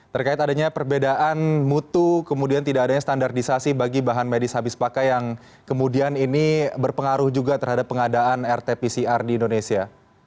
terkait adanya perbedaan mutu kemudian tidak adanya standarisasi bagi bahan medis habis pakai yang kemudian ini berpengaruh juga terhadap pengadaan rt pcr di indonesia